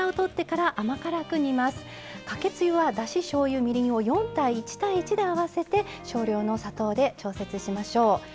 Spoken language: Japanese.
かけつゆはだししょうゆみりんを４：１：１で合わせて少量の砂糖で調節しましょう。